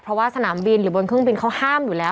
เพราะว่าสนามบินหรือบนเครื่องบินเขาห้ามอยู่แล้ว